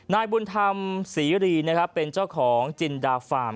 นายบุญธรรมศรีรีนะครับเป็นเจ้าของจินดาฟาร์ม